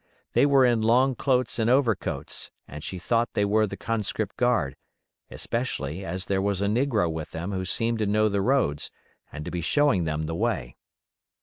They were in long cloaks and overcoats, and she thought they were the conscript guard, especially as there was a negro with them who seemed to know the roads and to be showing them the way.